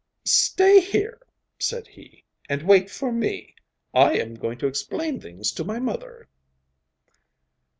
'Stay here,' said he, 'and wait for me; I am going to explain things to my mother.